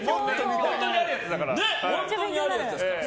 本当にあるやつだから。